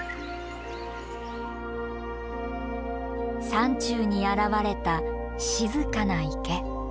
山中に現れた静かな池。